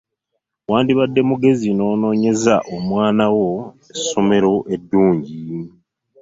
Wandibadde mugezi n'onoonyeza omwana wo essomero eddungi.